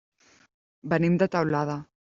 Venim de Teulada.